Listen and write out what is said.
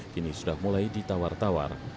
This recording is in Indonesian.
kini sudah mulai ditawar tawar